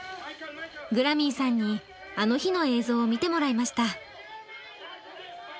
グラミーさんに「あの日」の映像を見てもらいました。